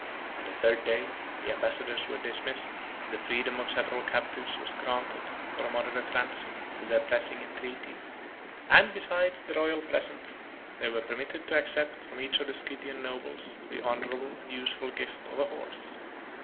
On the third day, the ambassadors were dismissed; the freedom of several captives was granted, for a moderate ransom, to their pressing entreaties; and, besides the royal presents, they were permitted to accept from each of the Scythian nobles the honorable and useful gift of a horse.